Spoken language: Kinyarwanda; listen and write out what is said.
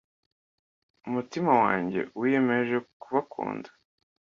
mutima wanjye wiyemeje kubakunda